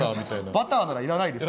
バターなら要らないです。